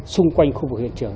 xung quanh khu vực hiện trường